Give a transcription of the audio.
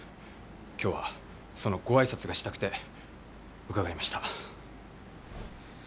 今日はそのご挨拶がしたくて伺いました。